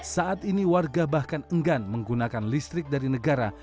saat ini warga bahkan enggan menggunakan listrik dari negara